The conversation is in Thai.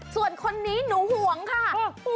ส่วนคนนี้หนูห่วงค่ะ